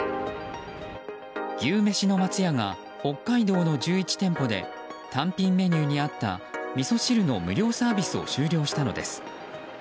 牛めしの松屋が北海道の１１店舗で単品メニューにあった、みそ汁の無料サービスを終了したのです。